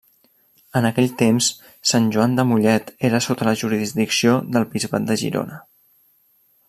En aquell temps, Sant Joan de Mollet era sota la jurisdicció del bisbat de Girona.